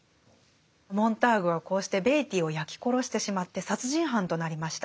モンターグはこうしてベイティーを焼き殺してしまって殺人犯となりました。